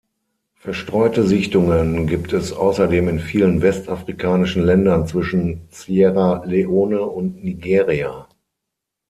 Verstreute Sichtungen gibt es außerdem in vielen Westafrikanischen Ländern zwischen Sierra Leone und Nigeria.